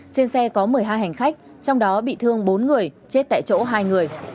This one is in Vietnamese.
trên xe có một mươi hai hành khách trong đó bị thương bốn người chết tại chỗ hai người